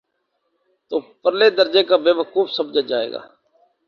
تو پرلے درجے کا بیوقوف سمجھا جائے گا۔